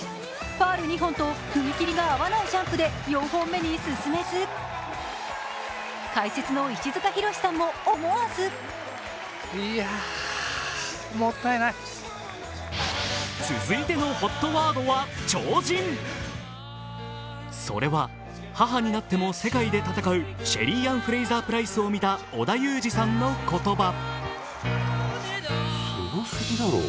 ファウル２本と踏み切りが合わないジャンプで４本目に進めず、解説の石塚浩さんも思わずそれは、母になっても世界で戦うシェリーアン・フレイザー・プライスを見た、織田裕二さんの言葉。